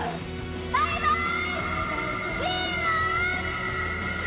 バイバイ！